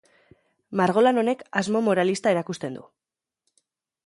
Margolan honek asmo moralista erakusten du.